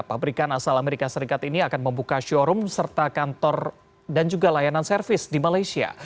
pabrikan asal amerika serikat ini akan membuka showroom serta kantor dan juga layanan servis di malaysia